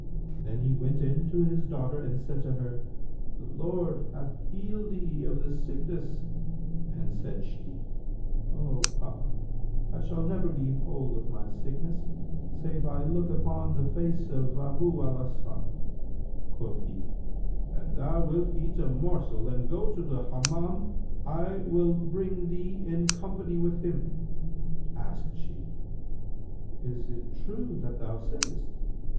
Then he went in to his daughter and said to her, 'The Lord hath healed thee of this sickness;' and said she, 'O my papa, I shall never be whole of my sickness, save I look upon the face of Abu al Hasan.' Quoth he, 'An thou wilt eat a morsel and go to the Hammam, I will bring thee in company with him.' Asked she, 'Is it true that thou sayst?'